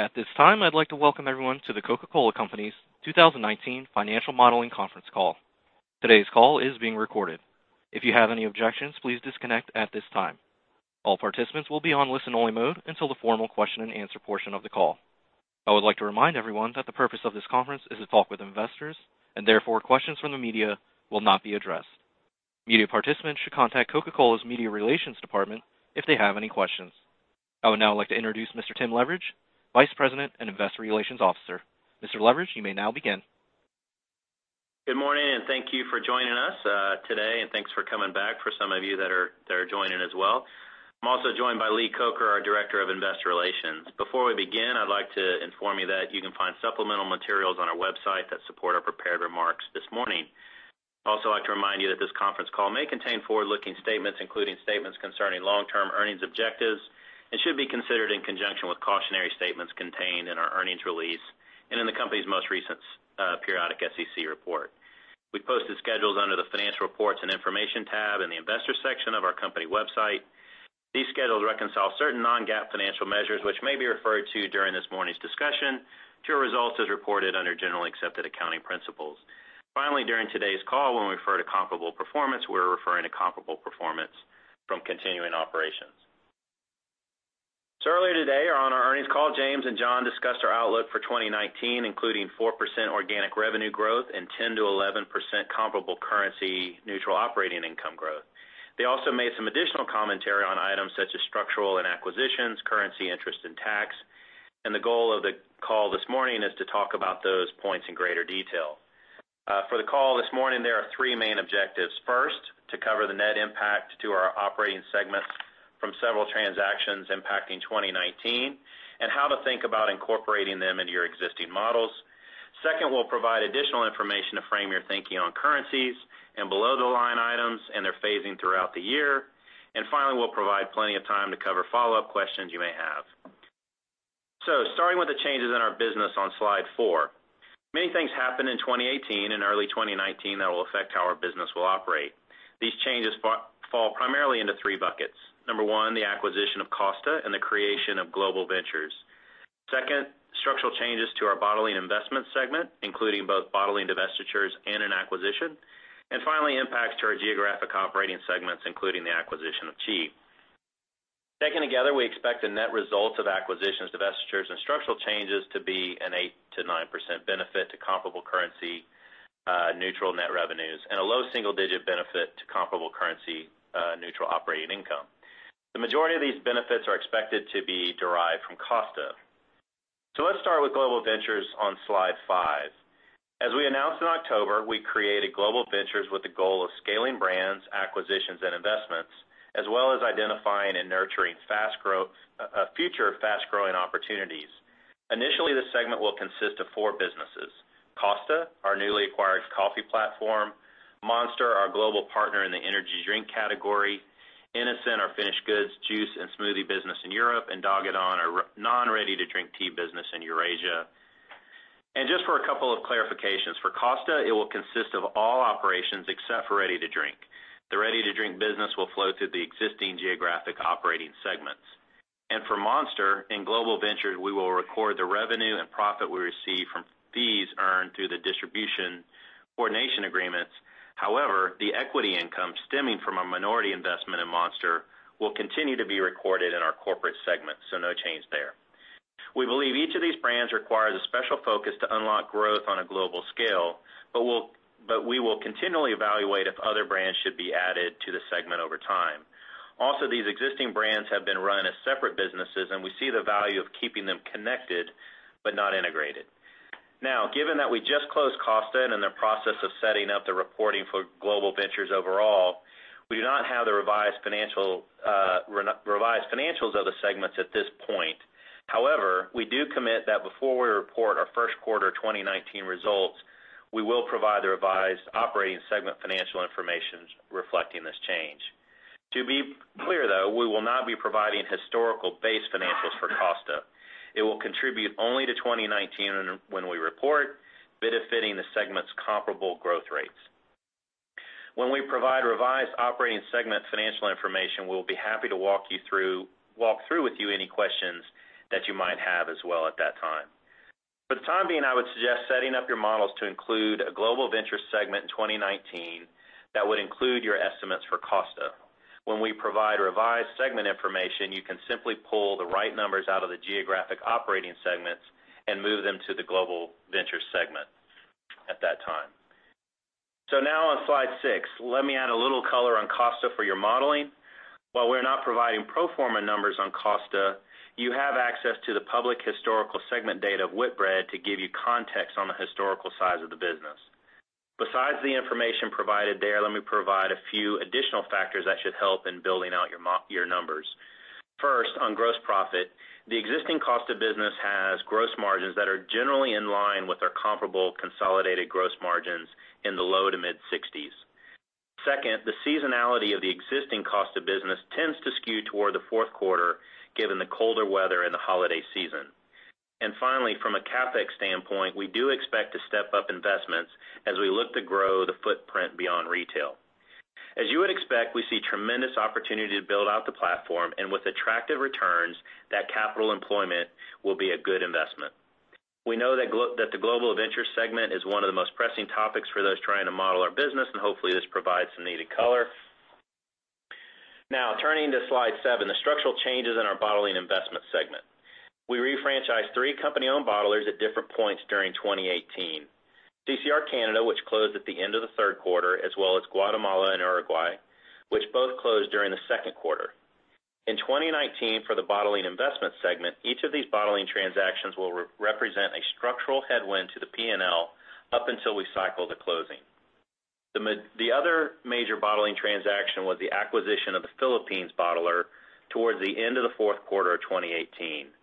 At this time, I'd like to welcome everyone to The Coca-Cola Company's 2019 Financial Modeling Conference Call. Today's call is being recorded. If you have any objections, please disconnect at this time. All participants will be on listen only mode until the formal question and answer portion of the call. I would like to remind everyone that the purpose of this conference is to talk with investors. Therefore, questions from the media will not be addressed. Media participants should contact Coca-Cola's media relations department if they have any questions. I would now like to introduce Mr. Timothy Leveridge, Vice President and Investor Relations Officer. Mr. Leveridge, you may now begin. Good morning. Thank you for joining us today, and thanks for coming back for some of you that are joining as well. I'm also joined by Lee Coker, our Director of Investor Relations. Before we begin, I'd like to inform you that you can find supplemental materials on our website that support our prepared remarks this morning. Also, I'd like to remind you that this conference call may contain forward-looking statements, including statements concerning long-term earnings objectives and should be considered in conjunction with cautionary statements contained in our earnings release and in the company's most recent periodic SEC report. We've posted schedules under the financial reports and information tab in the investor section of our company website. These schedules reconcile certain non-GAAP financial measures, which may be referred to during this morning's discussion to results as reported under general accepted accounting principles. Finally, during today's call, when we refer to comparable performance, we're referring to comparable performance from continuing operations. Earlier today on our earnings call, James and John discussed our outlook for 2019, including 4% organic revenue growth and 10%-11% comparable currency neutral operating income growth. They also made some additional commentary on items such as structural and acquisitions, currency interest and tax. The goal of the call this morning is to talk about those points in greater detail. For the call this morning, there are three main objectives. First, to cover the net impact to our operating segments from several transactions impacting 2019 and how to think about incorporating them into your existing models. Second, we'll provide additional information to frame your thinking on currencies and below the line items and their phasing throughout the year. Finally, we'll provide plenty of time to cover follow-up questions you may have. Starting with the changes in our business on slide four. Many things happened in 2018 and early 2019 that will affect how our business will operate. These changes fall primarily into three buckets. Number one, the acquisition of Costa and the creation of Global Ventures. Second, structural changes to our bottling investment segment, including both bottling divestitures and an acquisition. Finally, impacts to our geographic operating segments, including the acquisition of Chi. Taken together, we expect the net results of acquisitions, divestitures, and structural changes to be an 8%-9% benefit to comparable currency neutral net revenues and a low single-digit benefit to comparable currency neutral operating income. The majority of these benefits are expected to be derived from Costa. Let's start with Global Ventures on slide five. As we announced in October, we created Global Ventures with the goal of scaling brands, acquisitions, and investments, as well as identifying and nurturing future fast-growing opportunities. Initially, this segment will consist of four businesses, Costa, our newly acquired coffee platform; Monster, our global partner in the energy drink category; innocent, our finished goods, juice, and smoothie business in Europe; and Doğadan our non-ready-to-drink tea business in Eurasia. Just for a couple of clarifications. For Costa, it will consist of all operations except for ready to drink. The ready to drink business will flow through the existing geographic operating segments. For Monster, in Global Ventures, we will record the revenue and profit we receive from fees earned through the distribution coordination agreements. However, the equity income stemming from our minority investment in Monster will continue to be recorded in our corporate segment, so no change there. We believe each of these brands requires a special focus to unlock growth on a global scale, we will continually evaluate if other brands should be added to the segment over time. Also, these existing brands have been run as separate businesses, and we see the value of keeping them connected but not integrated. Given that we just closed Costa and are in the process of setting up the reporting for Global Ventures overall, we do not have the revised financials of the segments at this point. However, we do commit that before we report our first quarter 2019 results, we will provide the revised operating segment financial information reflecting this change. To be clear, though, we will not be providing historical base financials for Costa. It will contribute only to 2019 when we report, benefiting the segment's comparable growth rates. When we provide revised operating segment financial information, we'll be happy to walk through with you any questions that you might have as well at that time. For the time being, I would suggest setting up your models to include a Global Ventures segment in 2019 that would include your estimates for Costa. When we provide revised segment information, you can simply pull the right numbers out of the geographic operating segments and move them to the Global Ventures segment at that time. On slide six, let me add a little color on Costa for your modeling. While we're not providing pro forma numbers on Costa, you have access to the public historical segment data of Whitbread to give you context on the historical size of the business. Besides the information provided there, let me provide a few additional factors that should help in building out your numbers. First, on gross profit, the existing Costa business has gross margins that are generally in line with our comparable consolidated gross margins in the low to mid-60s. Second, the seasonality of the existing Costa business tends to skew toward the fourth quarter, given the colder weather and the holiday season. Finally, from a CapEx standpoint, we do expect to step up investments as we look to grow the footprint beyond retail. As you would expect, we see tremendous opportunity to build out the platform, and with attractive returns, that capital employment will be a good investment. We know that the Global Ventures segment is one of the most pressing topics for those trying to model our business, and hopefully, this provides some needed color. Turning to slide seven, the structural changes in our bottling investment segment. We refranchised three company-owned bottlers at different points during 2018. DCR Canada, which closed at the end of the third quarter, as well as Guatemala and Uruguay, which both closed during the second quarter. In 2019, for the bottling investment segment, each of these bottling transactions will represent a structural headwind to the P&L up until we cycle the closing. The other major bottling transaction was the acquisition of the Philippines bottler towards the end of the fourth quarter of 2018.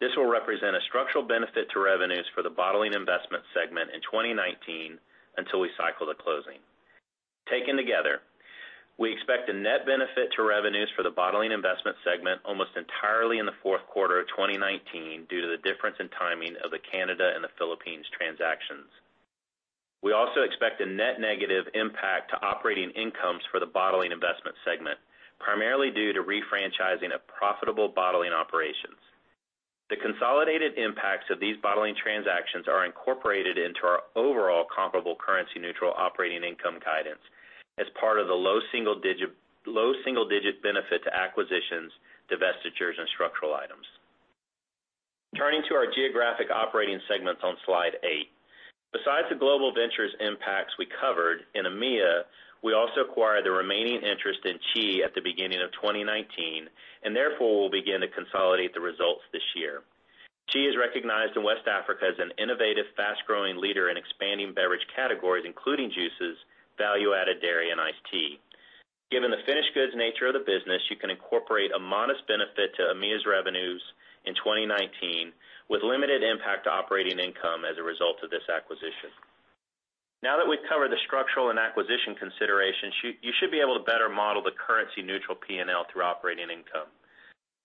This will represent a structural benefit to revenues for the bottling investment segment in 2019 until we cycle the closing. Taken together, we expect a net benefit to revenues for the bottling investment segment almost entirely in the fourth quarter of 2019 due to the difference in timing of the Canada and the Philippines transactions. We also expect a net negative impact to operating incomes for the bottling investment segment, primarily due to refranchising of profitable bottling operations. The consolidated impacts of these bottling transactions are incorporated into our overall comparable currency neutral operating income guidance as part of the low single-digit benefit to acquisitions, divestitures, and structural items. Turning to our geographic operating segments on Slide 8. Besides the Global Ventures impacts we covered, in EMEA, we also acquired the remaining interest in Chi at the beginning of 2019, and therefore, we'll begin to consolidate the results this year. Chi is recognized in West Africa as an innovative, fast-growing leader in expanding beverage categories, including juices, value-added dairy, and iced tea. Given the finished goods nature of the business, you can incorporate a modest benefit to EMEA's revenues in 2019 with limited impact to operating income as a result of this acquisition. Now that we've covered the structural and acquisition considerations, you should be able to better model the currency neutral P&L through operating income.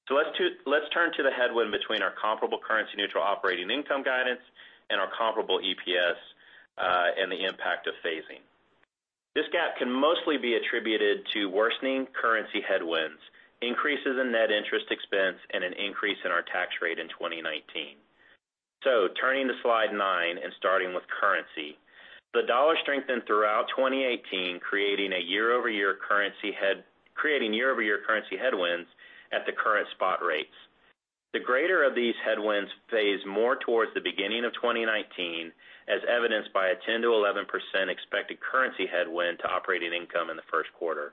Let's turn to the headwind between our comparable currency neutral operating income guidance and our comparable EPS, and the impact of phasing. This gap can mostly be attributed to worsening currency headwinds, increases in net interest expense, and an increase in our tax rate in 2019. Turning to Slide nine and starting with currency. The dollar strengthened throughout 2018, creating year-over-year currency headwinds at the current spot rates. The greater of these headwinds phase more towards the beginning of 2019, as evidenced by a 10%-11% expected currency headwind to operating income in the first quarter.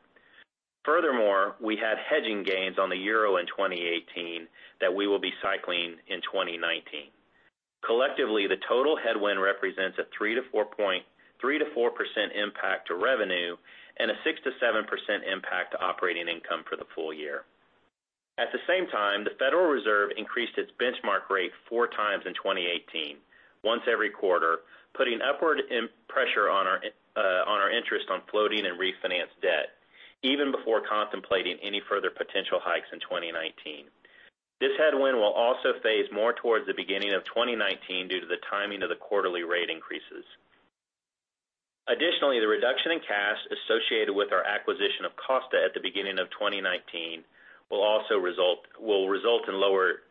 Furthermore, we had hedging gains on the euro in 2018 that we will be cycling in 2019. Collectively, the total headwind represents a 3%-4% impact to revenue and a 6%-7% impact to operating income for the full year. At the same time, the Federal Reserve increased its benchmark rate four times in 2018, once every quarter, putting upward pressure on our interest on floating and refinanced debt, even before contemplating any further potential hikes in 2019. This headwind will also phase more towards the beginning of 2019 due to the timing of the quarterly rate increases. Additionally, the reduction in cash associated with our acquisition of Costa at the beginning of 2019 will result in lower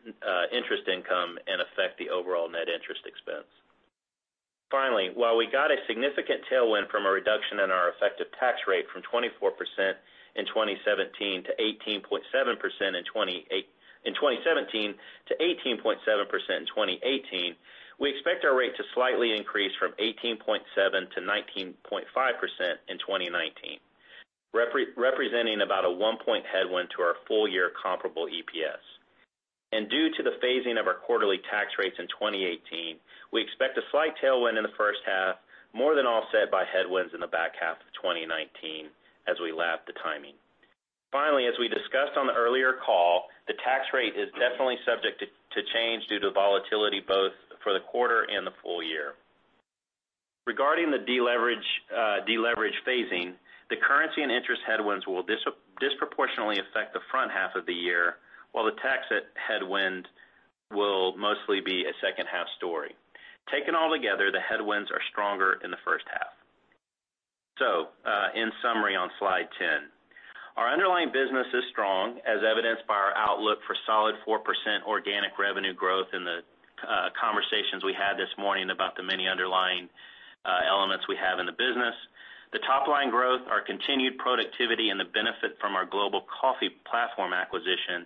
interest income and affect the overall net interest expense. Finally, while we got a significant tailwind from a reduction in our effective tax rate from 24% in 2017 to 18.7% in 2018, we expect our rate to slightly increase from 18.7%-19.5% in 2019, representing about a one-point headwind to our full-year comparable EPS. Due to the phasing of our quarterly tax rates in 2018, we expect a slight tailwind in the first half, more than offset by headwinds in the back half of 2019 as we lap the timing. As we discussed on the earlier call, the tax rate is definitely subject to change due to volatility, both for the quarter and the full year. Regarding the deleverage phasing, the currency and interest headwinds will disproportionately affect the front half of the year, while the tax headwind will mostly be a second half story. Taken all together, the headwinds are stronger in the first half. In summary on Slide 10, our underlying business is strong, as evidenced by our outlook for solid 4% organic revenue growth in the conversations we had this morning about the many underlying elements we have in the business. The top-line growth, our continued productivity, and the benefit from our global coffee platform acquisition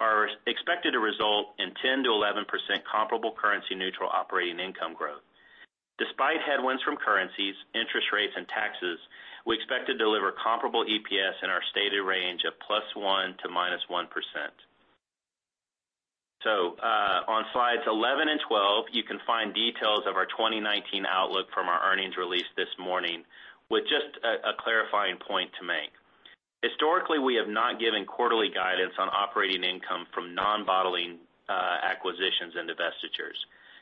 are expected to result in 10%-11% comparable currency neutral operating income growth. Despite headwinds from currencies, interest rates, and taxes, we expect to deliver comparable EPS in our stated range of +1% to -1%. On Slides 11 and 12, you can find details of our 2019 outlook from our earnings release this morning with just a clarifying point to make. Historically, we have not given quarterly guidance on operating income from non-bottling acquisitions and divestitures.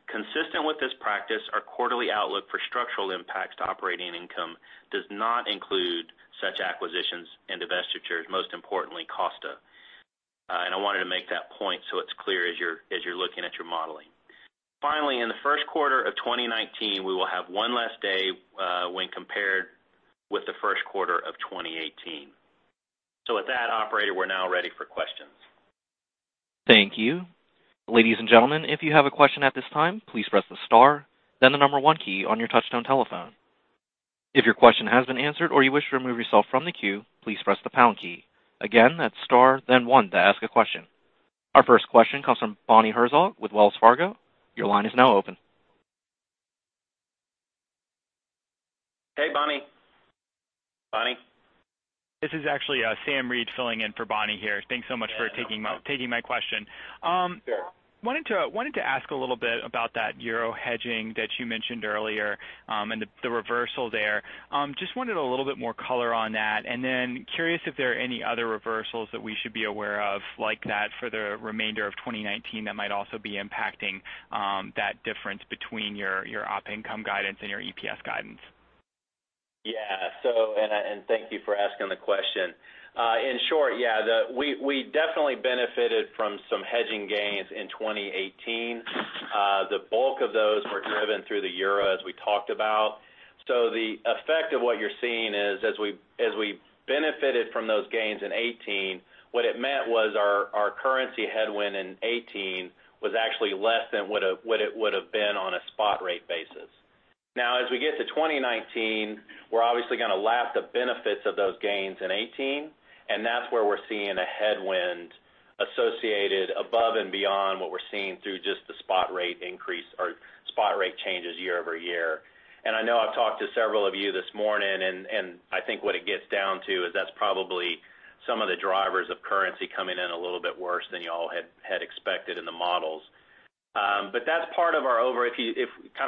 Consistent with this practice, our quarterly outlook for structural impacts to operating income does not include such acquisitions and divestitures, most importantly, Costa. I wanted to make that point so it's clear as you're looking at your modeling. Finally, in the first quarter of 2019, we will have one less day when compared with the first quarter of 2018. With that, operator, we're now ready for questions. Thank you. Ladies and gentlemen, if you have a question at this time, please press the star, then the number 1 key on your touchtone telephone. If your question has been answered or you wish to remove yourself from the queue, please press the pound key. Again, that's star then one to ask a question. Our first question comes from Bonnie Herzog with Wells Fargo. Your line is now open. Hey, Bonnie. Bonnie? This is actually Sam Reid filling in for Bonnie here. Thanks so much for taking my question. Sure. Wanted to ask a little bit about that euro hedging that you mentioned earlier, and the reversal there. Just wanted a little bit more color on that. Then curious if there are any other reversals that we should be aware of like that for the remainder of 2019 that might also be impacting that difference between your op income guidance and your EPS guidance. Yeah. Thank you for asking the question. In short, yeah, we definitely benefited from some hedging gains in 2018. The bulk of those were driven through the euro, as we talked about. The effect of what you're seeing is as we benefited from those gains in 2018, what it meant was our currency headwind in 2018 was actually less than what it would've been on a spot rate basis. Now, as we get to 2019, we're obviously going to lap the benefits of those gains in 2018, and that's where we're seeing a headwind associated above and beyond what we're seeing through just the spot rate changes year-over-year. I know I've talked to several of you this morning, I think what it gets down to is that's probably some of the drivers of currency coming in a little bit worse than you all had expected in the models. Kind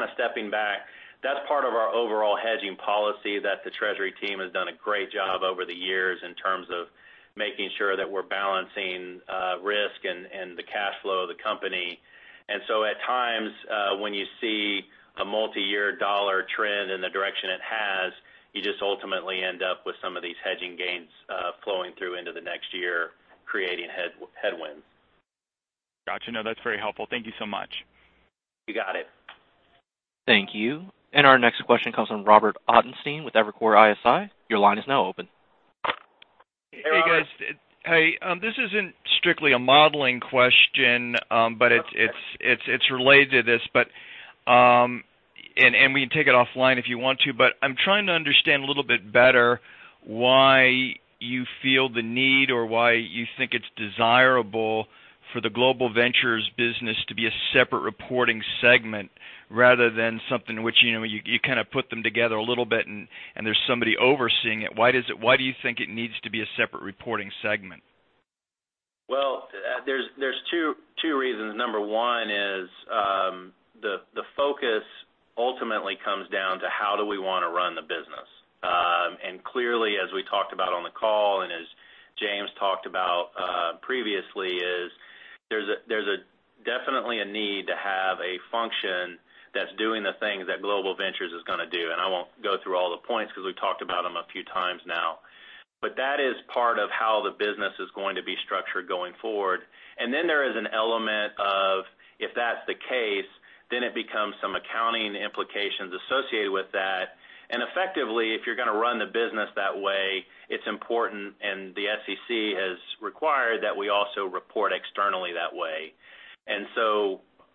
of stepping back, that's part of our overall hedging policy that the treasury team has done a great job over the years in terms of making sure that we're balancing risk and the cash flow of the company. So at times, when you see a multi-year dollar trend in the direction it has, you just ultimately end up with some of these hedging gains flowing through into the next year, creating headwinds. Got you. That's very helpful. Thank you so much. You got it. Thank you. Our next question comes from Robert Ottenstein with Evercore ISI. Your line is now open. Hey, Robert. Hey, guys. Hey, this isn't strictly a modeling question. Okay It's related to this. We can take it offline if you want to, but I'm trying to understand a little bit better why you feel the need or why you think it's desirable for the Global Ventures business to be a separate reporting segment rather than something which you kind of put them together a little bit and there's somebody overseeing it. Why do you think it needs to be a separate reporting segment? Well, there's two reasons. Number one is, the focus ultimately comes down to how do we want to run the business? Clearly, as we talked about on the call and as James talked about previously, is there's definitely a need to have a function that's doing the things that Global Ventures is going to do. I won't go through all the points because we've talked about them a few times now. That is part of how the business is going to be structured going forward. There is an element of, if that's the case, then it becomes some accounting implications associated with that. Effectively, if you're going to run the business that way, it's important, and the SEC has required that we also report externally that way.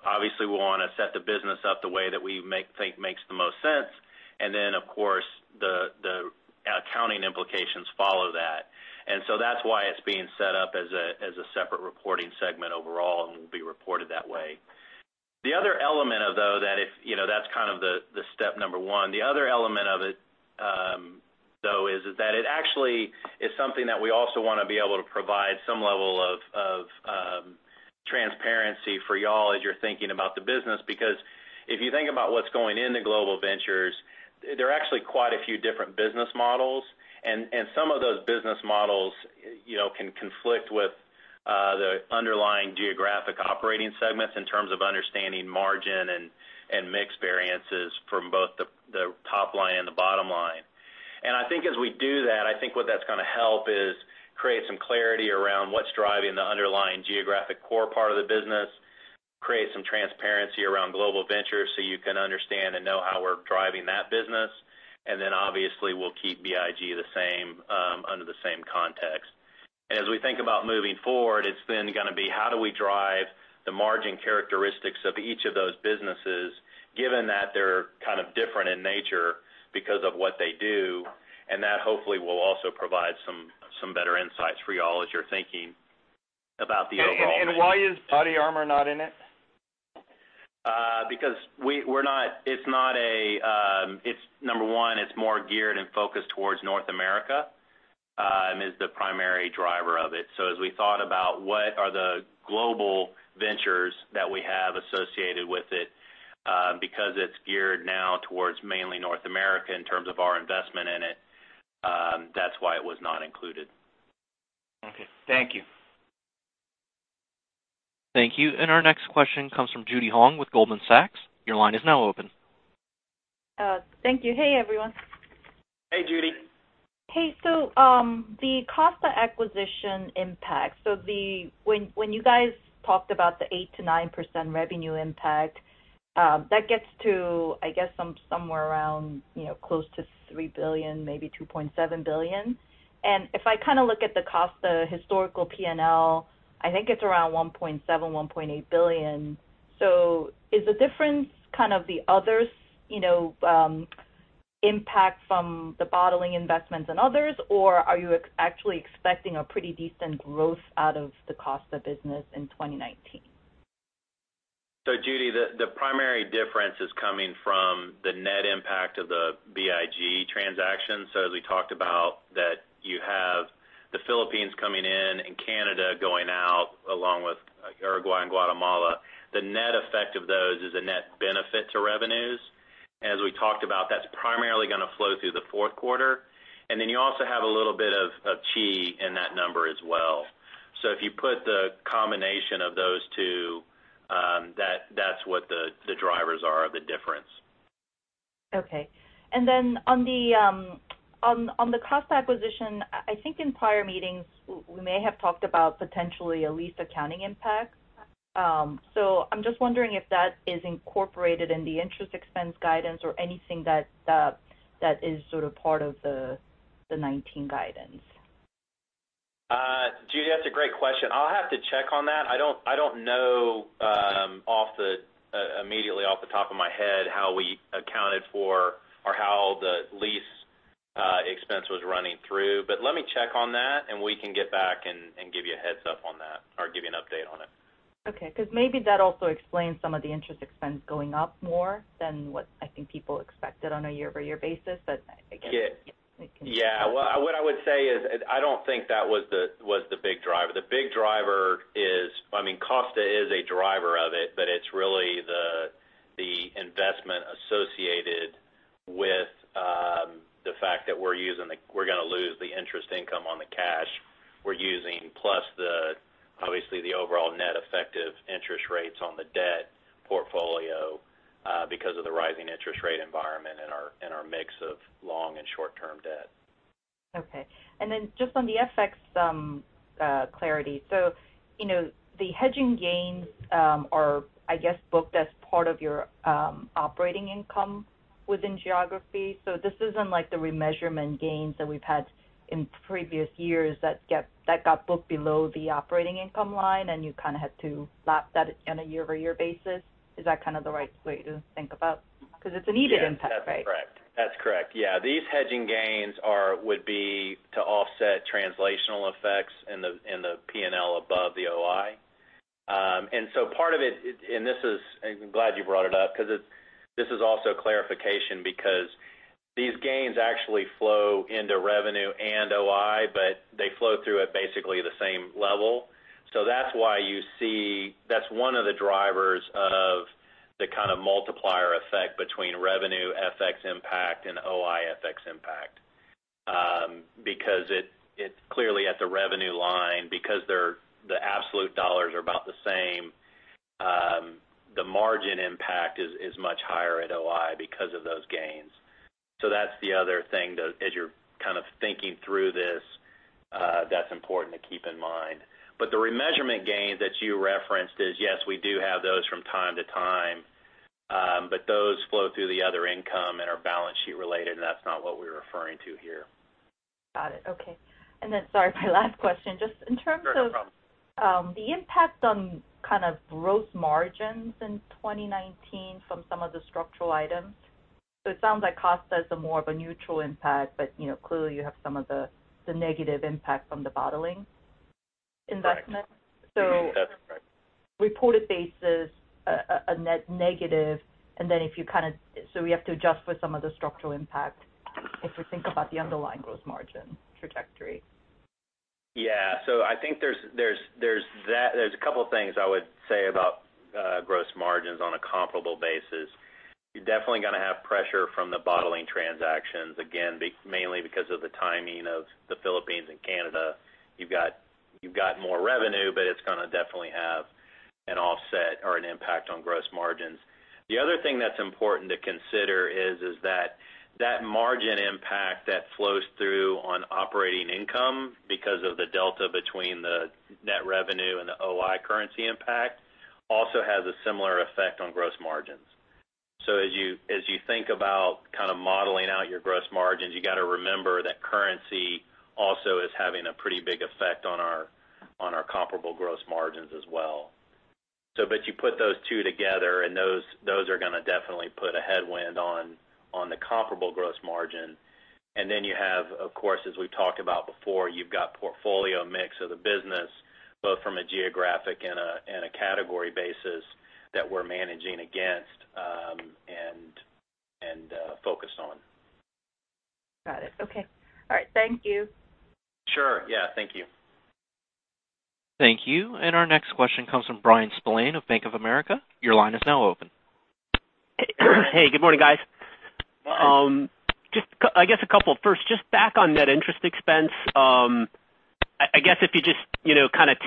Obviously we want to set the business up the way that we think makes the most sense. Of course, the accounting implications follow that. That's why it's being set up as a separate reporting segment overall and will be reported that way. That's kind of the step 1. The other element of it, though, is that it actually is something that we also want to be able to provide some level of transparency for you all as you're thinking about the business. Because if you think about what's going into Global Ventures, there are actually quite a few different business models. Some of those business models can conflict with the underlying geographic operating segments in terms of understanding margin and mix variances from both the top line and the bottom line. I think as we do that, I think what that's going to help is create some clarity around what's driving the underlying geographic core part of the business, create some transparency around Global Ventures so you can understand and know how we're driving that business. Obviously we'll keep BIG under the same context. As we think about moving forward, it's then going to be how do we drive the margin characteristics of each of those businesses, given that they're kind of different in nature because of what they do. That hopefully will also provide some better insights for you all as you're thinking about the overall mix. Why is BODYARMOR not in it? Because, number 1, it's more geared and focused towards North America, and is the primary driver of it. As we thought about what are the Global Ventures that we have associated with it, because it's geared now towards mainly North America in terms of our investment in it, that's why it was not included. Okay. Thank you. Thank you. Our next question comes from Judy Hong with Goldman Sachs. Your line is now open. Thank you. Hey, everyone. Hey, Judy. Hey. The Costa acquisition impact. When you guys talked about the 8%-9% revenue impact, that gets to, I guess, somewhere around close to $3 billion, maybe $2.7 billion. If I look at the Costa historical P&L, I think it's around $1.7 billion-$1.8 billion. Is the difference the others impact from the bottling investments and others, or are you actually expecting a pretty decent growth out of the Costa business in 2019? Judy, the primary difference is coming from the net impact of the BIG transaction. As we talked about, that you have the Philippines coming in and Canada going out, along with Uruguay and Guatemala. The net effect of those is a net benefit to revenues. As we talked about, that's primarily going to flow through the fourth quarter. You also have a little bit of Chi in that number as well. If you put the combination of those two, that's what the drivers are of the difference. Okay. On the Costa acquisition, I think in prior meetings, we may have talked about potentially a lease accounting impact. I'm just wondering if that is incorporated in the interest expense guidance or anything that is part of the 2019 guidance. Judy, that's a great question. I'll have to check on that. I don't know immediately off the top of my head how we accounted for or how the lease expense was running through. Let me check on that, and we can get back and give you a heads up on that, or give you an update on it. Okay. Maybe that also explains some of the interest expense going up more than what I think people expected on a year-over-year basis. Yeah. What I would say is, I don't think that was the BIG driver. The BIG driver is, Costa is a driver of it, but it's really the investment associated with the fact that we're going to lose the interest income on the cash we're using, plus obviously, the overall net effective interest rates on the debt portfolio because of the rising interest rate environment in our mix of long and short-term debt. Okay. Just on the FX clarity. The hedging gains are, I guess, booked as part of your operating income within geography. This isn't like the remeasurement gains that we've had in previous years that got booked below the operating income line, and you had to lap that on a year-over-year basis. Is that the right way to think about it? Because it's a needed impact, right? Yes, that's correct. These hedging gains would be to offset translational effects in the P&L above the OI. I'm glad you brought it up because this is also clarification because these gains actually flow into revenue and OI, but they flow through at basically the same level. That's one of the drivers of the kind of multiplier effect between revenue FX impact and OI FX impact. It's clearly at the revenue line, because the absolute dollars are about the same, the margin impact is much higher at OI because of those gains. That's the other thing, as you're kind of thinking through this, that's important to keep in mind. The remeasurement gains that you referenced is, yes, we do have those from time to time. Those flow through the other income and are balance sheet related, and that's not what we're referring to here. Got it. Okay. Sorry, my last question. Just in terms of- Sure, no problem the impact on gross margins in 2019 from some of the structural items. It sounds like Costa is a more of a neutral impact, but clearly, you have some of the negative impact from the bottling investment. Correct. Reported basis, a net negative. We have to adjust for some of the structural impact if we think about the underlying gross margin trajectory. I think there's a couple of things I would say about gross margins on a comparable basis. You're definitely going to have pressure from the bottling transactions, again, mainly because of the timing of the Philippines and Canada. You've got more revenue, but it's going to definitely have an offset or an impact on gross margins. The other thing that's important to consider is that margin impact that flows through on operating income because of the delta between the net revenue and the OI currency impact also has a similar effect on gross margins. As you think about modeling out your gross margins, you got to remember that currency also is having a pretty big effect on our comparable gross margins as well. You put those two together, and those are going to definitely put a headwind on the comparable gross margin. You have, of course, as we've talked about before, you've got portfolio mix of the business, both from a geographic and a category basis that we're managing against, and focused on. Got it. Okay. All right. Thank you. Sure. Yeah. Thank you. Thank you. Our next question comes from Bryan Spillane of Bank of America. Your line is now open. Hey, good morning, guys. Hi. Just, I guess a couple. First, just back on net interest expense. I guess if you just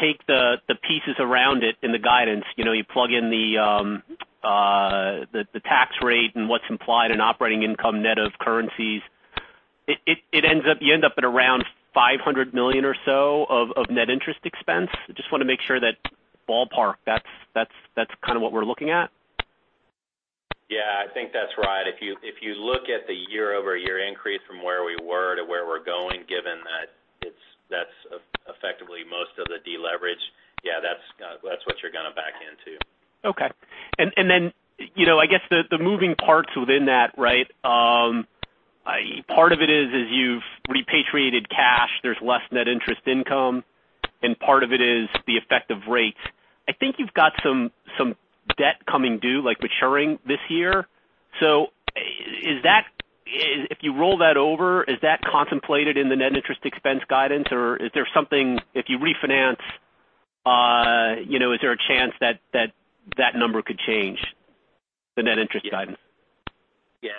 take the pieces around it in the guidance, you plug in the tax rate and what is implied in operating income net of currencies, you end up at around $500 million or so of net interest expense. I just want to make sure that ballpark, that is kind of what we are looking at. Yeah, I think that is right. If you look at the year-over-year increase from where we were to where we are going, given that that is effectively most of the deleveraging, yeah, that is what you are going to back into. Okay. I guess the moving parts within that. Part of it is you've repatriated cash, there's less net interest income, and part of it is the effect of rates. I think you've got some debt coming due, maturing this year. If you roll that over, is that contemplated in the net interest expense guidance, or is there something, if you refinance, is there a chance that that number could change the net interest guidance? Yeah.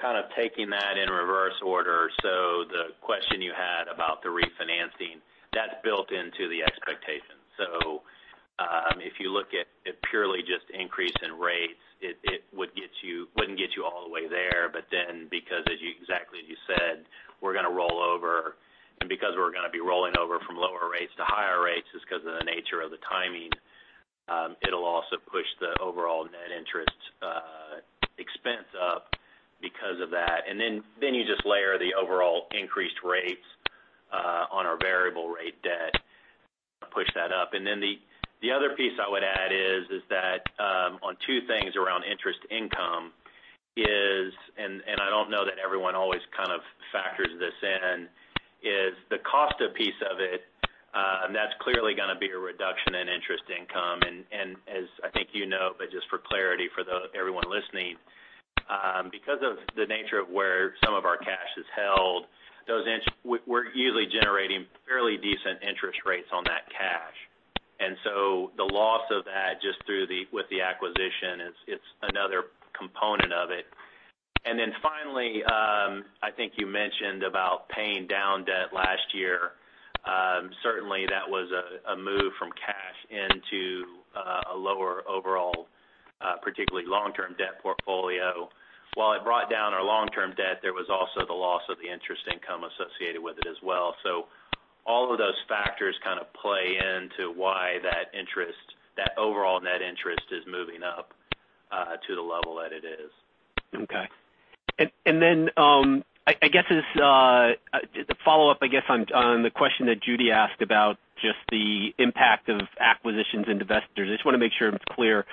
Kind of taking that in reverse order. The question you had about the refinancing, that's built into the expectation. If you look at it purely just increase in rates, it wouldn't get you all the way there, because exactly as you said, we're going to roll over, because we're going to be rolling over from lower rates to higher rates, just because of the nature of the timing, it'll also push the overall net interest expense up because of that. You just layer the overall increased rates on our variable rate debt, push that up. The other piece I would add is that on two things around interest income is, I don't know that everyone always kind of factors this in, is the cost piece of it, that's clearly going to be a reduction in interest income. As I think you know, just for clarity for everyone listening, because of the nature of where some of our cash is held, we're usually generating fairly decent interest rates on that cash. The loss of that just with the acquisition, it's another component of it. Finally, I think you mentioned about paying down debt last year. Certainly, that was a move from cash into a lower overall, particularly long-term debt portfolio. While it brought down our long-term debt, there was also the loss of the interest income associated with it as well. All of those factors kind of play into why that overall net interest is moving up to the level that it is. Okay. I guess as a follow-up on the question that Judy asked about just the impact of acquisitions and divestitures, I just want to make sure I'm clear.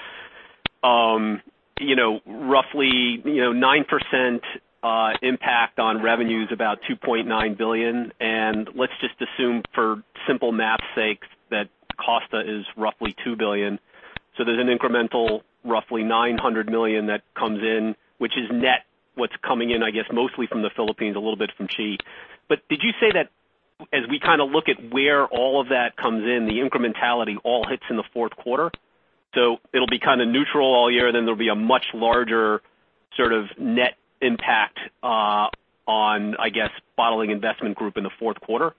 Roughly 9% impact on revenues, about $2.9 billion. Let's just assume for simple math's sake that Costa is roughly $2 billion. There's an incremental roughly $900 million that comes in, which is net what's coming in, I guess, mostly from the Philippines, a little bit from Chi. Did you say that as we kind of look at where all of that comes in, the incrementality all hits in the fourth quarter? It'll be kind of neutral all year, then there'll be a much larger sort of net impact on, I guess, Bottling Investment Group in the fourth quarter?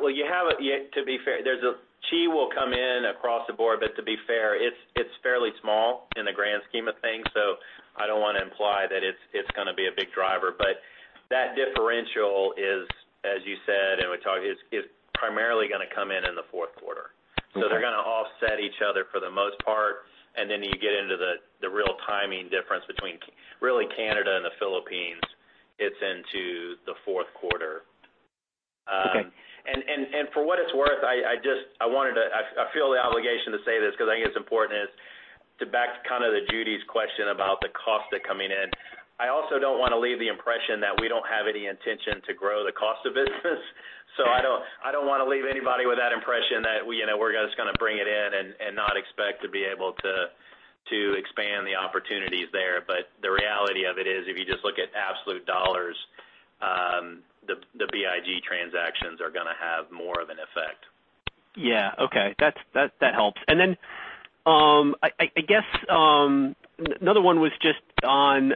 Well, to be fair, Chi will come in across the board, but to be fair, it's fairly small in the grand scheme of things. I don't want to imply that it's going to be a big driver. That differential is, as you said, and we talked, is primarily going to come in the fourth quarter. Okay. They're going to offset each other for the most part, you get into the real timing difference between really Canada and the Philippines. It's into the fourth quarter. Okay. For what it's worth, I feel the obligation to say this because I think it's important, is to back kind of to Judy's question about the Costa coming in. I also don't want to leave the impression that we don't have any intention to grow the Costa business. I don't want to leave anybody with that impression that we're just going to bring it in and not expect to be able to expand the opportunities there. The reality of it is, if you just look at absolute $, the BIG transactions are going to have more of an effect. That helps. I guess another one was just on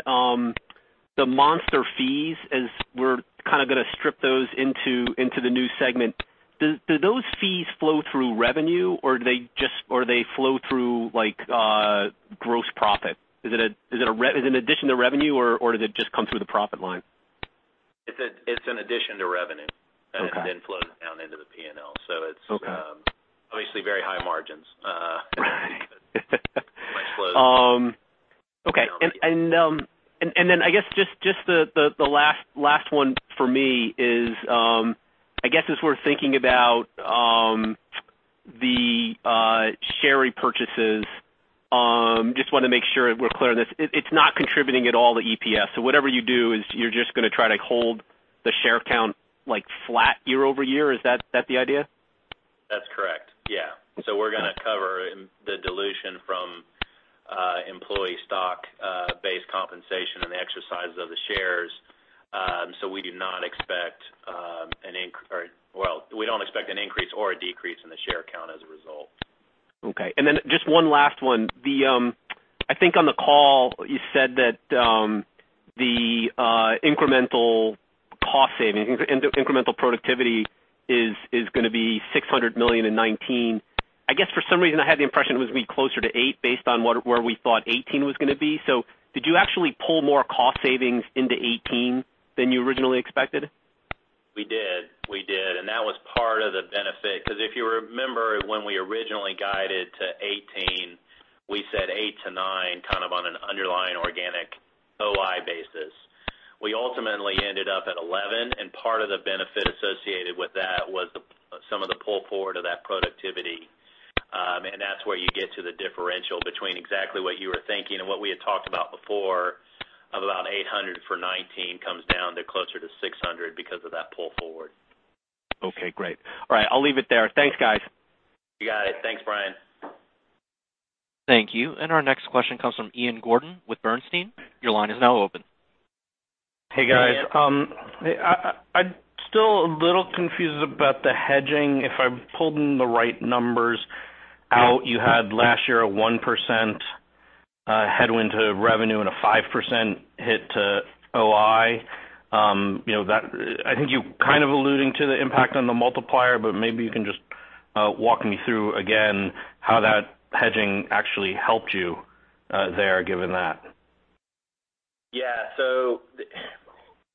the Monster fees as we're kind of going to strip those into the new segment. Do those fees flow through revenue, or do they flow through gross profit? Is it an addition to revenue, or does it just come through the profit line? It's an addition to revenue. Okay. It flows down into the P&L. Okay. It's obviously very high margins. Right. My flows. Okay. I guess just the last one for me is I guess as we're thinking about the share repurchases, just want to make sure we're clear on this. It's not contributing at all to EPS. Whatever you do is you're just going to try to hold the share count flat year-over-year. Is that the idea? That's correct. Yeah. We're going to cover the dilution from employee stock-based compensation and the exercise of the shares. We do not expect an increase or a decrease in the share count as a result. Okay. Just one last one. I think on the call, you said that the incremental cost savings, incremental productivity is going to be $600 million in 2019. I guess for some reason, I had the impression it was going to be closer to eight based on where we thought 2018 was going to be. Did you actually pull more cost savings into 2018 than you originally expected? We did. We did. That was part of the benefit, because if you remember when we originally guided to 2018, we said eight to nine kind of on an underlying organic OI basis. We ultimately ended up at 11, part of the benefit associated with that was some of the pull forward of that productivity. That's where you get to the differential between exactly what you were thinking and what we had talked about before, of about $800 for 2019 comes down to closer to $600 because of that pull forward. Okay, great. All right, I'll leave it there. Thanks, guys. You got it. Thanks, Bryan. Thank you. Our next question comes from Ian Gordon with Bernstein. Your line is now open. Hey, guys. I'm still a little confused about the hedging. If I'm pulling the right numbers out, you had last year a 1% headwind to revenue and a 5% hit to OI. I think you're kind of alluding to the impact on the multiplier, maybe you can just walk me through again how that hedging actually helped you there, given that. Yeah.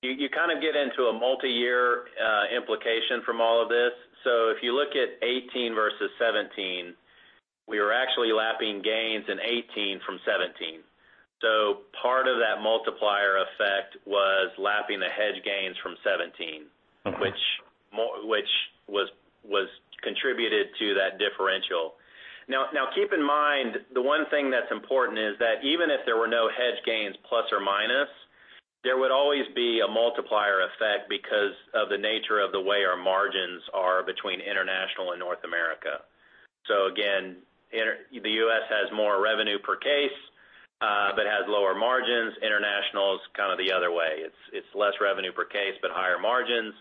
You kind of get into a multi-year implication from all of this. If you look at 2018 versus 2017, we were actually lapping gains in 2018 from 2017. Part of that multiplier effect was lapping the hedge gains from 2017. Okay. Which was contributed to that differential. Now, keep in mind, the one thing that's important is that even if there were no hedge gains plus or minus, there would always be a multiplier effect because of the nature of the way our margins are between international and North America. Again, the U.S. has more revenue per case, but has lower margins. International is kind of the other way. It's less revenue per case, but higher margins.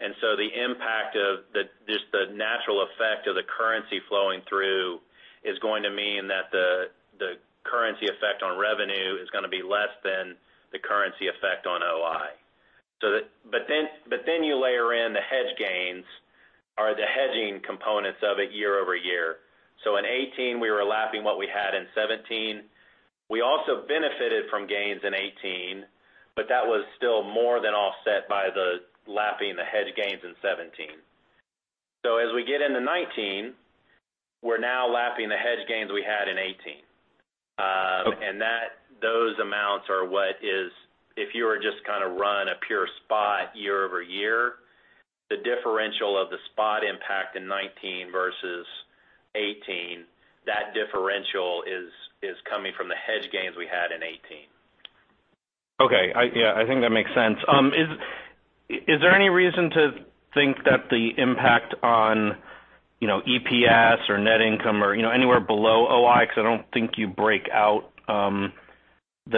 The impact of just the natural effect of the currency flowing through is going to mean that the currency effect on revenue is going to be less than the currency effect on OI. You layer in the hedge gains or the hedging components of it year over year. In 2018, we were lapping what we had in 2017. We also benefited from gains in 2018, but that was still more than offset by the lapping the hedge gains in 2017. As we get into 2019, we're now lapping the hedge gains we had in 2018. Okay. Those amounts are what is, if you were just kind of run a pure spot year-over-year, the differential of the spot impact in 2019 versus 2018, that differential is coming from the hedge gains we had in 2018. Okay. Yeah, I think that makes sense. Is there any reason to think that the impact on EPS or net income or anywhere below OI, because I don't think you break out the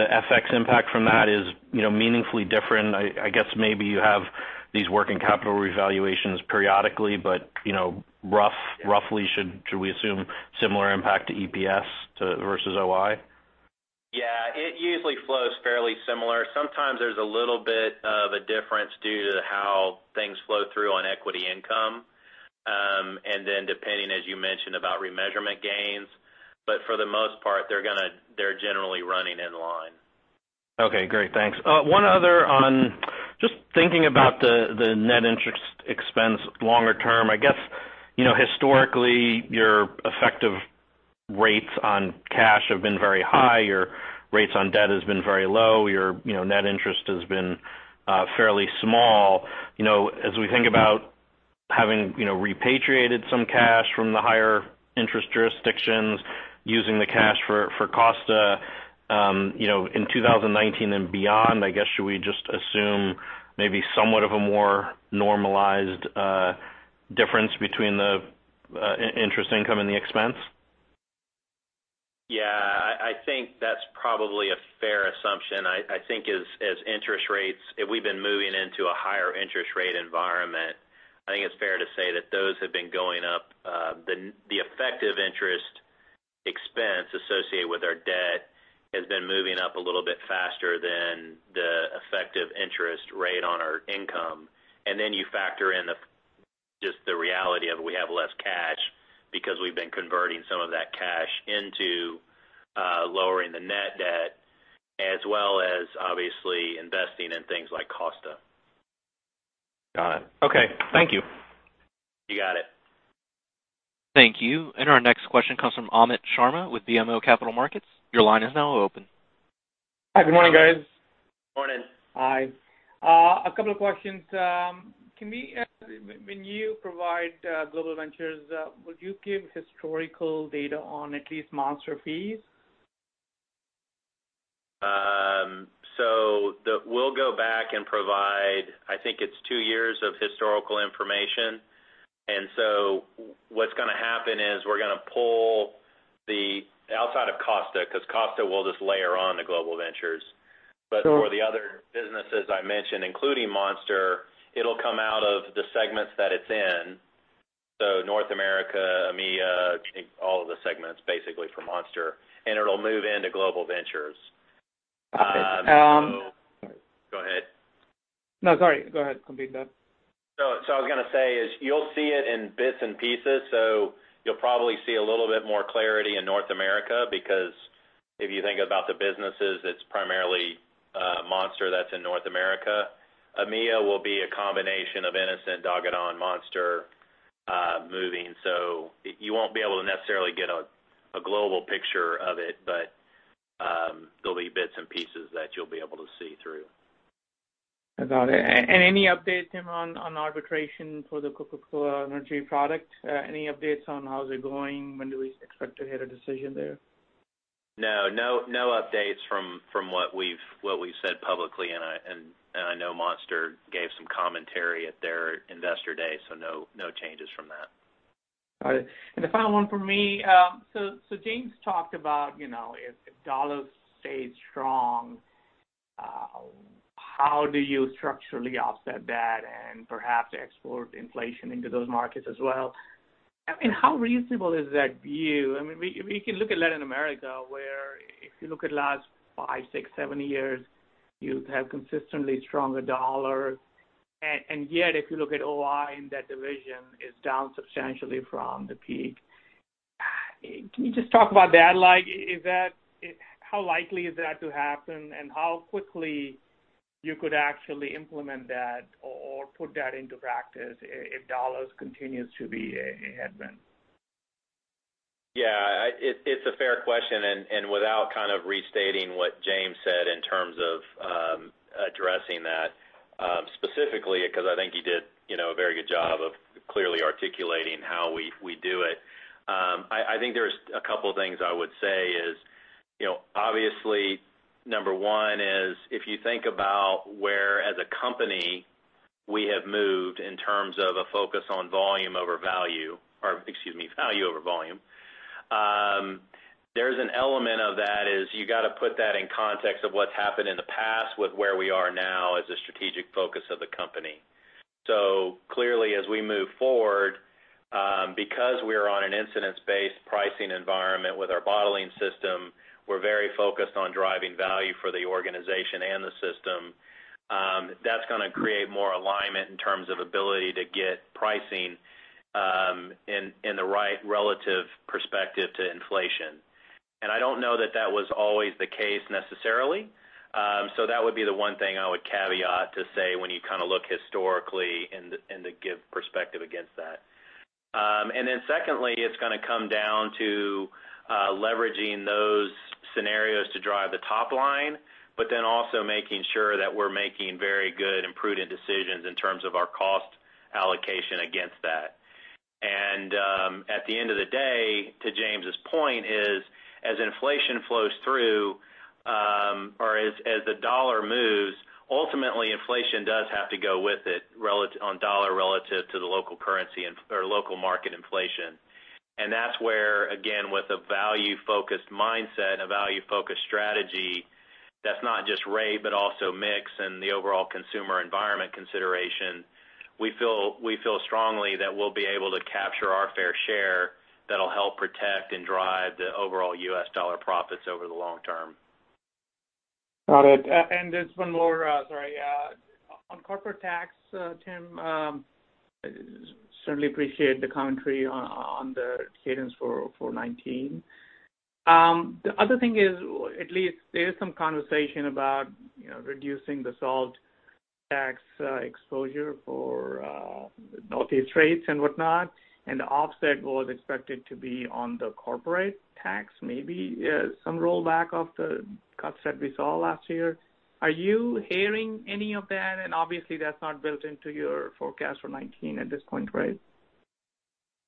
FX impact from that is meaningfully different. I guess maybe you have these working capital revaluations periodically, but roughly should we assume similar impact to EPS versus OI? Yeah. It usually flows fairly similar. Sometimes there's a little bit of a difference due to how things flow through on equity income. Then depending, as you mentioned about remeasurement gains, but for the most part, they're generally running in line. Okay, great. Thanks. One other on just thinking about the net interest expense longer term. I guess historically, your effective rates on cash have been very high, your rates on debt has been very low, your net interest has been fairly small. As we think about having repatriated some cash from the higher interest jurisdictions, using the cash for Costa, in 2019 and beyond, I guess, should we just assume maybe somewhat of a more normalized difference between the interest income and the expense? Yeah, I think that's probably a fair assumption. I think as interest rates, we've been moving into a higher interest rate environment. I think it's fair to say that those have been going up. The effective interest expense associated with our debt has been moving up a little bit faster than the effective interest rate on our income. Then you factor in just the reality of we have less cash because we've been converting some of that cash into lowering the net debt as well as obviously investing in things like Costa. Got it. Okay. Thank you. You got it. Thank you. Our next question comes from Amit Sharma with BMO Capital Markets. Your line is now open. Hi, good morning, guys. Morning. Hi. A couple of questions. When you provide Global Ventures, would you give historical data on at least Monster fees? We'll go back and provide, I think it's two years of historical information. What's going to happen is we're going to pull the outside of Costa, because Costa will just layer on to Global Ventures. For the other businesses I mentioned, including Monster, it'll come out of the segments that it's in, so North America, EMEA, all of the segments basically for Monster, and it'll move into Global Ventures. Okay. Go ahead. No, sorry, go ahead. Complete that. I was going to say is you'll see it in bits and pieces, you'll probably see a little bit more clarity in North America, because if you think about the businesses, it's primarily Monster that's in North America. EMEA will be a combination of innocent, Doğadan, Monster moving. You won't be able to necessarily get a global picture of it, but there'll be bits and pieces that you'll be able to see through. Got it. Any updates, Tim, on arbitration for the Coca-Cola Energy product? Any updates on how is it going? When do we expect to get a decision there? No. No updates from what we've said publicly, I know Monster gave some commentary at their investor day, no changes from that. Got it. The final one from me. James talked about, if dollar stays strong, how do you structurally offset that and perhaps export inflation into those markets as well? How reasonable is that view? We can look at Latin America, where if you look at last five, six, seven years, you have consistently stronger dollar. Yet, if you look at OI in that division, it's down substantially from the peak. Can you just talk about that? How likely is that to happen, and how quickly you could actually implement that or put that into practice if dollar continues to be a headwind? Yeah. It's a fair question. Without kind of restating what James said in terms of addressing that specifically, because I think he did a very good job of clearly articulating how we do it. I think there's a couple things I would say is, obviously, number one is, if you think about where as a company we have moved in terms of a focus on volume over value, or excuse me, value over volume. There's an element of that is you got to put that in context of what's happened in the past with where we are now as a strategic focus of the company. Clearly, as we move forward, because we are on an incidence-based pricing environment with our bottling system, we're very focused on driving value for the organization and the system. That's going to create more alignment in terms of ability to get pricing in the right relative perspective to inflation. I don't know that that was always the case necessarily. That would be the one thing I would caveat to say when you kind of look historically and to give perspective against that. Secondly, it's going to come down to leveraging those scenarios to drive the top line, but then also making sure that we're making very good and prudent decisions in terms of our cost allocation against that. At the end of the day, to James's point is, as inflation flows through, or as the dollar moves, ultimately, inflation does have to go with it on dollar relative to the local currency or local market inflation. That's where, again, with a value-focused mindset and a value-focused strategy, that's not just rate, but also mix and the overall consumer environment consideration. We feel strongly that we'll be able to capture our fair share that'll help protect and drive the overall U.S. dollar profits over the long term. Got it. There's one more. Sorry. On corporate tax, Tim, certainly appreciate the commentary on the cadence for 2019. The other thing is, at least there is some conversation about reducing the SALT tax exposure for Northeast trades and whatnot, and the offset was expected to be on the corporate tax, maybe some rollback of the cuts that we saw last year. Are you hearing any of that? Obviously, that's not built into your forecast for 2019 at this point, right?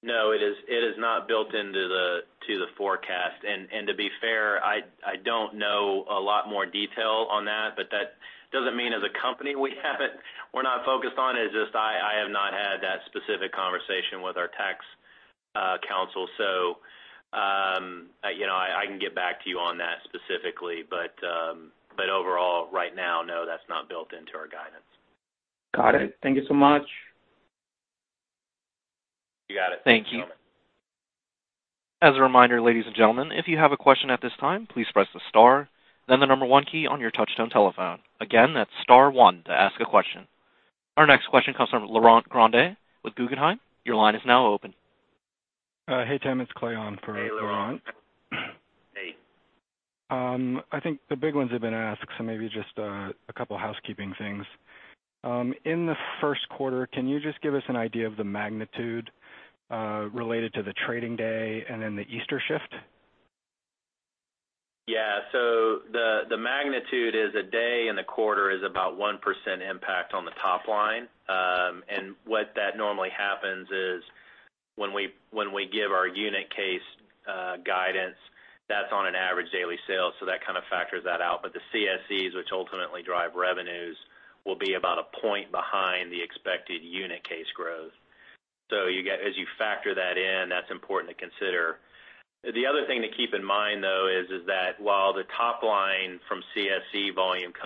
No, it is not built into the forecast. To be fair, I don't know a lot more detail on that, but that doesn't mean as a company we're not focused on it. It's just I have not had that specific conversation with our tax counsel. I can get back to you on that specifically. Overall, right now, no, that's not built into our guidance. Got it. Thank you so much. You got it. Thank you. Thanks so much. As a reminder, ladies and gentlemen, if you have a question at this time, please press the star, then the number one key on your touch-tone telephone. Again, that's star one to ask a question. Our next question comes from Laurent Grandet with Guggenheim. Your line is now open. Hey, Tim, it's Cleon for Laurent. Hey, Laurent. Hey. I think the big ones have been asked, maybe just a couple housekeeping things. In the first quarter, can you just give us an idea of the magnitude related to the trading day and then the Easter shift? Yeah. The magnitude is a day in the quarter is about 1% impact on the top line. What that normally happens is when we give our unit case guidance, that's on an average daily sale, that kind of factors that out. The CSEs, which ultimately drive revenues, will be about a point behind the expected unit case growth. As you factor that in, that's important to consider. The other thing to keep in mind, though, is that while the top line from CSE volume does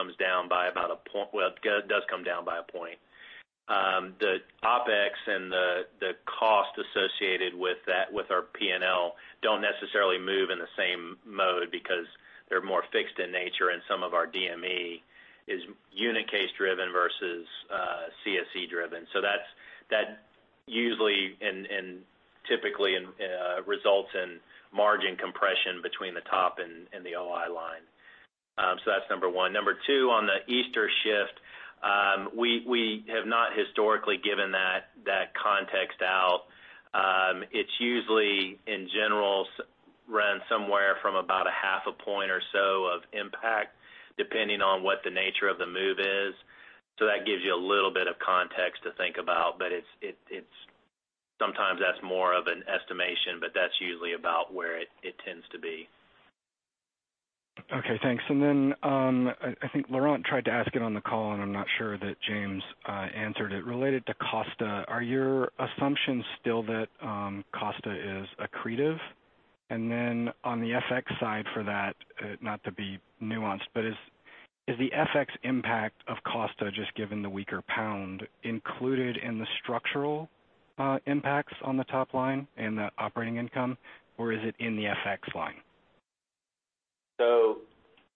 come down by a point, the OpEx and the cost associated with our P&L don't necessarily move in the same mode because they're more fixed in nature, and some of our DME is unit case driven versus CSE driven. That usually and typically results in margin compression between the top and the OI line. That's number one. Number two, on the Easter shift, we have not historically given that context out. It's usually, in general, runs somewhere from about a half a point or so of impact, depending on what the nature of the move is. That gives you a little bit of context to think about. Sometimes that's more of an estimation, that's usually about where it tends to be. Okay, thanks. I think Laurent tried to ask it on the call, and I'm not sure that James answered it. Related to Costa, are your assumptions still that Costa is accretive? On the FX side for that, not to be nuanced, but is the FX impact of Costa, just given the weaker pound, included in the structural impacts on the top line in the operating income? Or is it in the FX line?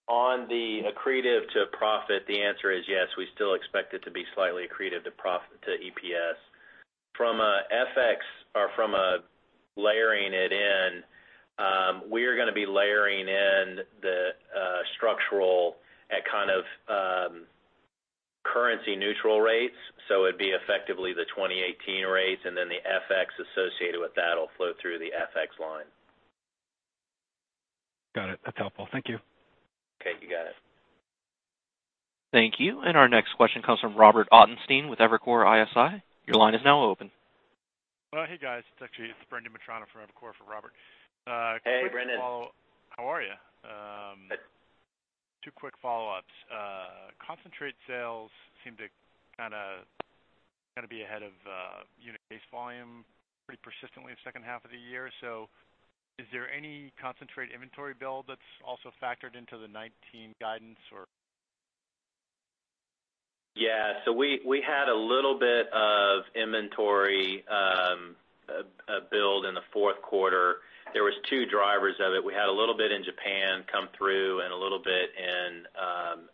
On the accretive to profit, the answer is yes. We still expect it to be slightly accretive to EPS. From a layering it in, we are going to be layering in the structural at kind of currency neutral rates. It'd be effectively the 2018 rates, the FX associated with that'll flow through the FX line. Got it. That's helpful. Thank you. Okay. You got it. Thank you. Our next question comes from Robert Ottenstein with Evercore ISI. Your line is now open. Well, hey, guys. It's actually Brendan Mitrana from Evercore for Robert. Hey, Brendan. How are you? Good. Two quick follow-ups. Concentrate sales seem to be ahead of unit case volume pretty persistently in the second half of the year. Is there any concentrate inventory build that's also factored into the 2019 guidance or? We had a little bit of inventory build in the fourth quarter. There was two drivers of it. We had a little bit in Japan come through and a little bit in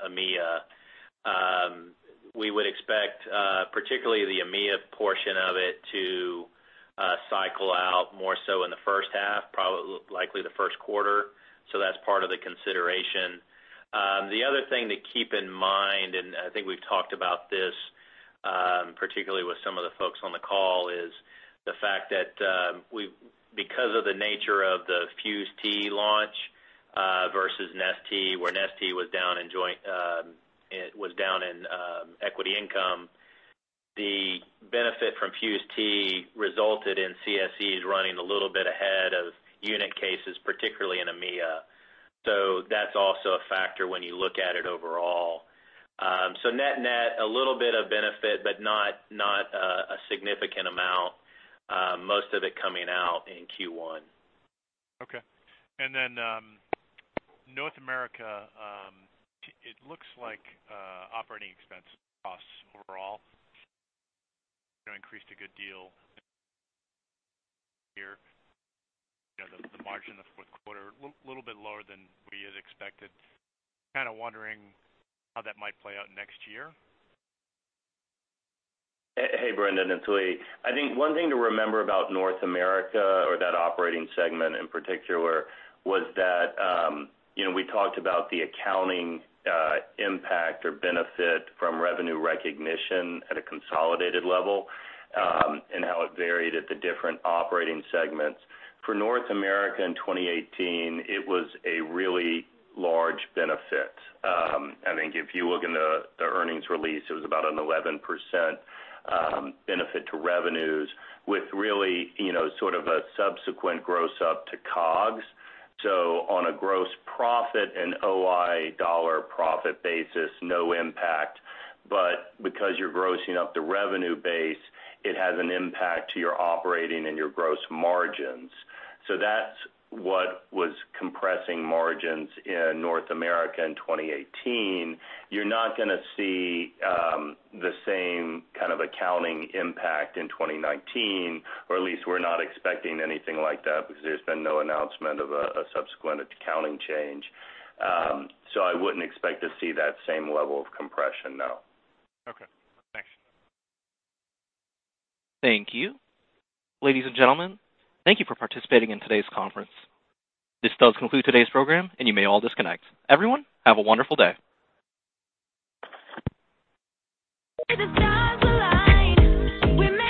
EMEA. We would expect, particularly the EMEA portion of it, to cycle out more so in the first half, likely the first quarter. That's part of the consideration. The other thing to keep in mind, and I think we've talked about this particularly with some of the folks on the call, is the fact that because of the nature of the FUZE Tea launch versus Nestea, where Nestea was down in equity income, the benefit from FUZE Tea resulted in CSEs running a little bit ahead of unit cases, particularly in EMEA. That's also a factor when you look at it overall. Net net, a little bit of benefit, but not a significant amount. Most of it coming out in Q1. North America, it looks like operating expense costs overall increased a good deal here. The margin in the fourth quarter, little bit lower than we had expected. Kind of wondering how that might play out next year. Hey, Brendan, it's Lee. I think one thing to remember about North America or that operating segment in particular, was that we talked about the accounting impact or benefit from revenue recognition at a consolidated level, and how it varied at the different operating segments. For North America in 2018, it was a really large benefit. I think if you look in the earnings release, it was about an 11% benefit to revenues with really sort of a subsequent gross up to COGS. On a gross profit and OI dollar profit basis, no impact. Because you're grossing up the revenue base, it has an impact to your operating and your gross margins. That's what was compressing margins in North America in 2018. You're not going to see the same kind of accounting impact in 2019, or at least we're not expecting anything like that because there's been no announcement of a subsequent accounting change. I wouldn't expect to see that same level of compression, no. Okay, thanks. Thank you. Ladies and gentlemen, thank you for participating in today's conference. This does conclude today's program, and you may all disconnect. Everyone, have a wonderful day.